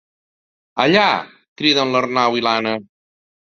Allà! —criden l'Arnau i l'Anna.